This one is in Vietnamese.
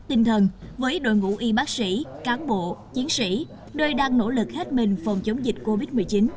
tinh thần với đội ngũ y bác sĩ cán bộ chiến sĩ nơi đang nỗ lực hết mình phòng chống dịch covid một mươi chín